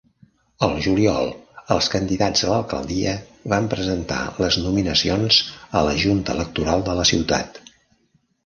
Al juliol, els candidats a l'alcaldia van presentar les nominacions a la Junta Electoral de la ciutat.